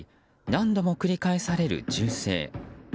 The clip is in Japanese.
何度も繰り返される銃声。